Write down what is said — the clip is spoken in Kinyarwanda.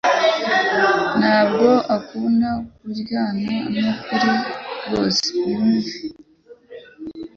Ntabwo akunda kurwana nukuri rwose byumve(megamanenm)